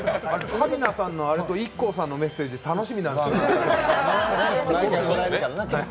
桂里奈さんのあれとＩＫＫＯさんのメッセージ楽しみなんですよね。